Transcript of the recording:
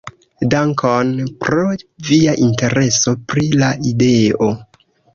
Dankon pro via intereso pri la ideo!